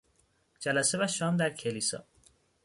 جلسه و شام در کلیسا